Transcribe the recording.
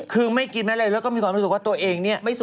คือไม่กินไม่อะไรแล้วก็มีความรู้สึกว่าตัวเองเนี่ย